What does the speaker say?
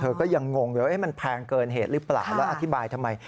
ก็ยังงงเลยมันแพงเกินเหตุหรือเปล่าแล้วอธิบายทำไม